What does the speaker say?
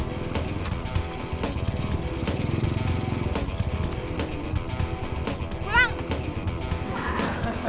maaf bu saya lagi stres